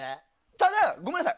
ただ、ごめんなさい。